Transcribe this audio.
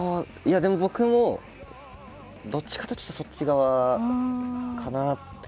僕も、どっちかというとそっち側かな。